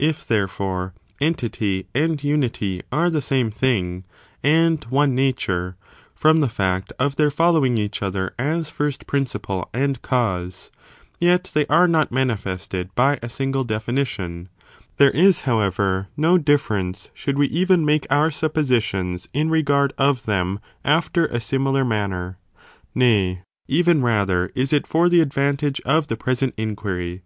81 If, therefore, entity and unity are the same 3. science of thing, and one nature,^ from the feet of their entity the same following each other as first principle and cause, unity, or the yet they are not manifested by a single defini ''^^"^ tion; there is, however, no difference, should we even make our suppositions in regard of them after a similar manner, nay, even rather is it for the advantage of the present inquiry.